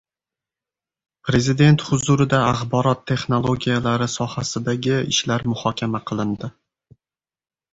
Prezident huzurida axborot texnologiyalari sohasidagi ishlar muhokama qilindi